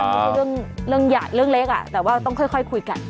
อย่างเช่นเรื่องเรื่องยากเรื่องเล็กอะแต่ว่าต้องค่อยคุยกัน